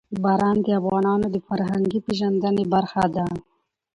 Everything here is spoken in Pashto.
باران د افغانانو د فرهنګي پیژندنې برخه ده.